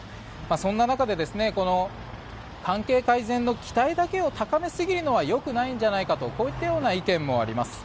そんな中で関係改善の期待だけを高めすぎるのはよくないんじゃないかとこういった意見もあります。